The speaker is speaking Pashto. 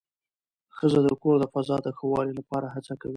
ښځه د کور د فضا د ښه والي لپاره هڅه کوي